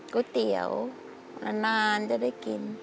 ก๋วยเตี๋ยวนานจะได้กิน